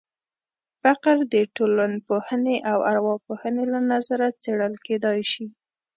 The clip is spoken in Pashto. فقر د ټولنپوهنې او ارواپوهنې له نظره څېړل کېدای شي.